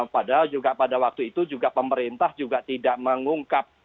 padahal juga pada waktu itu juga pemerintah juga tidak mengungkap